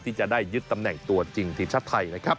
ที่จะได้ยึดตำแหน่งตัวจริงทีมชาติไทยนะครับ